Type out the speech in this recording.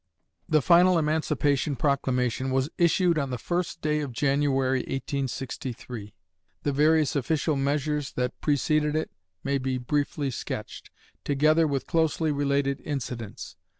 The final Emancipation Proclamation was issued on the first day of January, 1863. The various official measures that preceded it may be briefly sketched, together with closely related incidents.